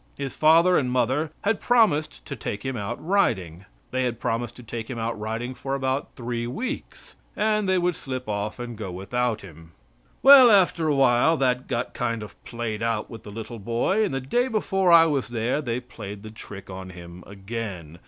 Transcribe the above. His father and mother had promised to take him out riding. They had promised to take him out riding for about three weeks, and they would slip off and go without him. Well, after while that got kind of played out with the little boy, and the day before I was there they played the trick on him again.